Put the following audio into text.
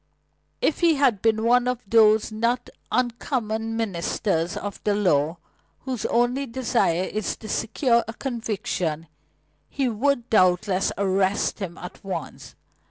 If he had been one of those not uncommon ministers of the law, whose only desire is to secure a conviction, he would doubtless arrest him at once.